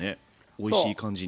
おいしい感じに。